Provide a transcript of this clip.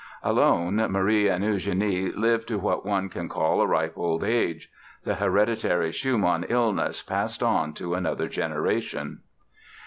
Alone, Marie and Eugenie lived to what one can call a ripe old age. The hereditary Schumann illness passed on to another generation.